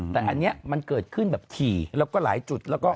แต่อันนี้มันเกิดขึ้นแบบถี่แล้วก็หลายจุดแล้วก็